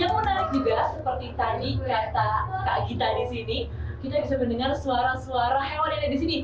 yang menarik juga seperti tadi kata kak gita di sini kita bisa mendengar suara suara hewan yang ada di sini